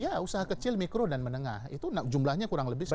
iya usaha kecil mikro dan menengah itu jumlahnya kurang lebih enam puluh tiga juta